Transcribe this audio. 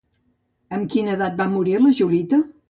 Amb quina edat va morir la Julita?